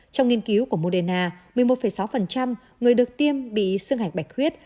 trong nghiên cứu của moderna một mươi một sáu người được tiêm bị sương hạch bạch huyết